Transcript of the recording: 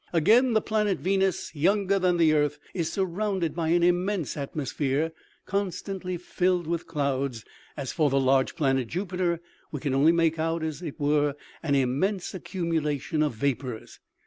Again, the planet Venus, younger than the earth, is surrounded by an immense atmosphere, constantly filled with clouds. As for the large planet Jupiter, we can only make out, as it were, an immense accumulation of vapors.